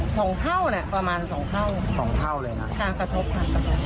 สองเท่าน่ะประมาณสองเท่าสองเท่าเลยนะค่ะกระทบค่ะกระทบ